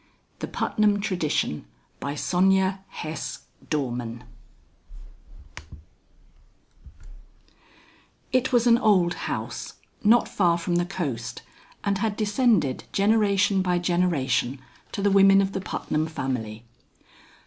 _ the putnam tradition By S. DORMAN Illustrated by SCHELLING It was an old house not far from the coast, and had descended generation by generation to the women of the Putnam family.